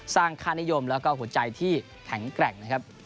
สร้างคานิยมและหัวใจที่แข็งแกร่ง